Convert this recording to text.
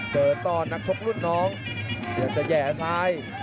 เจอตอนนักชบรุ่นน้องอยากจะแห่ซ้าย